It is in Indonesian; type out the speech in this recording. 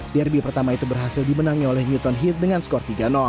derby pertama itu berhasil dimenangi oleh newton hit dengan skor tiga